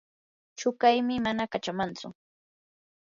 chuqaymi mana kachamantsu.